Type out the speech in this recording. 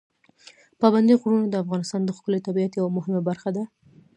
پابندي غرونه د افغانستان د ښکلي طبیعت یوه مهمه برخه ده.